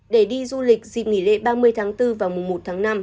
để đi du lịch dịp nghỉ lễ ba mươi tháng bốn và mùa một tháng năm